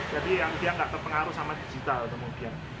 jadi yang dia nggak terpengaruh sama digital kemudian